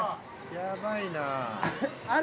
やばいな。